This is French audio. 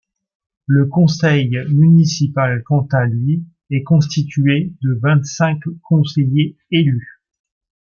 Le Conseil municipal quant à lui, est constitué de vingt cinq conseillers élus.